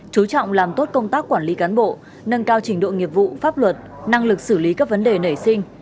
chú trọng làm tốt công tác quản lý cán bộ nâng cao trình độ nghiệp vụ pháp luật năng lực xử lý các vấn đề nảy sinh